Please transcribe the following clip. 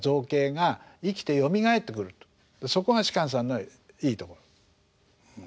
そこが芝さんのいいところ。